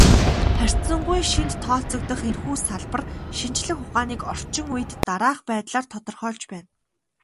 Харьцангуй шинэд тооцогдох энэхүү салбар шинжлэх ухааныг орчин үед дараах байдлаар тодорхойлж байна.